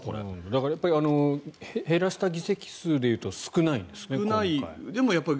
だから減らした議席数でいうと少ないんですね、今回。